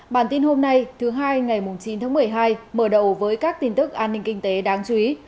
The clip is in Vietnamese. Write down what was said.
bản tin hôm nay thứ hai ngày chín tháng một mươi hai mở đầu với các tin tức an ninh kinh tế đáng chú ý